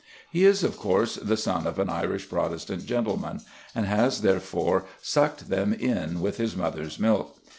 He is, of course, the son of an Irish Protestant gentleman, and has therefore sucked them in with his mother's milk.